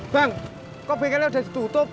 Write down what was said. bang kok bkl nya udah ditutup